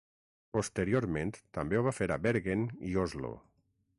Posteriorment també ho va fer a Bergen i Oslo.